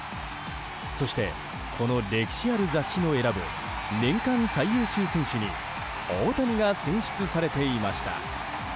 そして、この歴史ある雑誌の選ぶ年間最優秀選手に大谷が選出されていました。